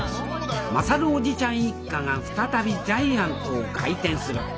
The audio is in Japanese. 優叔父ちゃん一家が再びジャイアントを開店する。